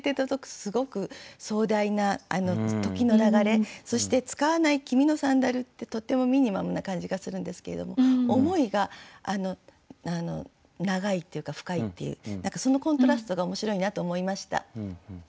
すごく壮大な時の流れそして「使わない君のサンダル」ってとてもミニマムな感じがするんですけれども想いが長いっていうか深いっていうそのコントラストが面白いなと思いました。